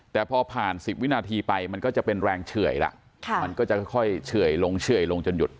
แต่พอผ่าน๑๐วินาทีไปมันก็จะเป็นแรงเฉื่อยแล้วมันก็จะค่อยเฉื่อยลงเฉื่อยลงจนหยุด